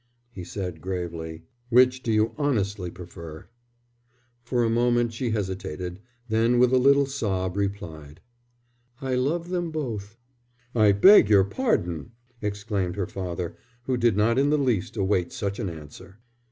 He said, gravely: "Which do you honestly prefer?" For a moment she hesitated, then with a little sob replied: "I love them both." "I beg your pardon!" exclaimed her father, who did not in the least await such an answer.